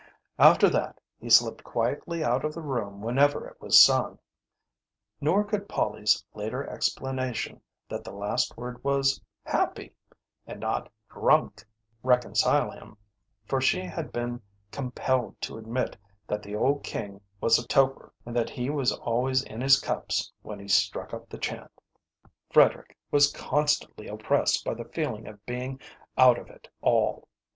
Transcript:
After that, he slipped quietly out of the room whenever it was sung. Nor could Polly's later explanation that the last word was "happy," and not "drunk," reconcile him; for she had been compelled to admit that the old king was a toper, and that he was always in his cups when he struck up the chant. Frederick was constantly oppressed by the feeling of being out of it all.